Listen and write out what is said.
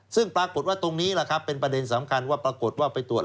ซึ่งปรากฏว่าตรงนี้แหละครับเป็นประเด็นสำคัญว่าปรากฏว่าไปตรวจ